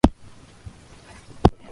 俺の拳がでかいのは傷つけるためじゃない